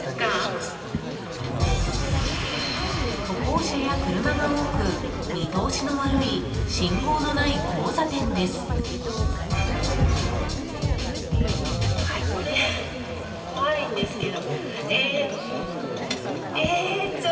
歩行者や車が多く見通しの悪い信号のない交差点です。